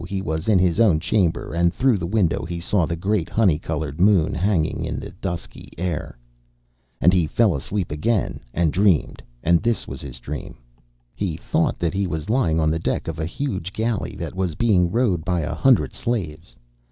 he was in his own chamber, and through the window he saw the great honey coloured moon hanging in the dusky air. And he fell asleep again and dreamed, and this was his dream. He thought that he was lying on the deck of a huge galley that was being rowed by a hundred slaves.